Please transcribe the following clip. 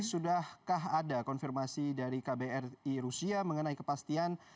sudahkah ada konfirmasi dari kbri rusia mengenai kepastian